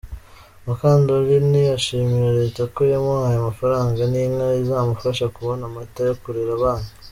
Mukandoli ashimira Leta ko yamuhaye amafaranga n’inka izamufasha kubona amata yo kurera abana.